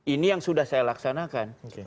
ini yang sudah saya laksanakan